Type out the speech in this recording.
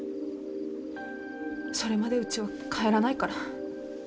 それまでうちは帰らないから。